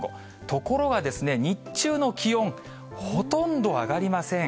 ところが日中の気温、ほとんど上がりません。